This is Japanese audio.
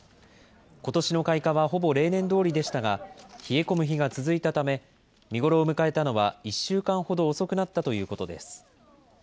ことしの開花はほぼ例年どおりでしたが、冷え込む日が続いたため、見頃を迎えたのは１週間ほど遅くなったということです。